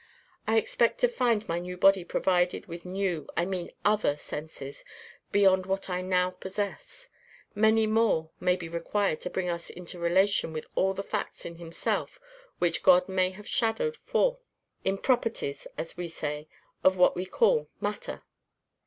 I expect to find my new body provided with new, I mean OTHER senses beyond what I now possess: many more may be required to bring us into relation with all the facts in himself which God may have shadowed forth in properties, as we say, of what we call matter.